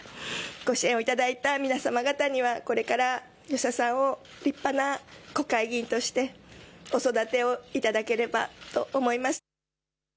ご支援をいただいた皆様方にはこれから吉田さんを立派な国会議員としてお育てをいただければと思います。